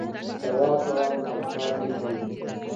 د واک دوام تلپاتې نه وي